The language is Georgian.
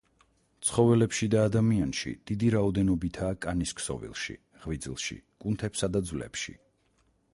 ცხოველებში და ადამიანში დიდი რაოდენობითაა კანის ქსოვილში, ღვიძლში, კუნთებსა და ძვლებში.